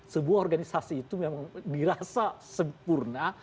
sebuah organisasi itu memang dirasa sempurna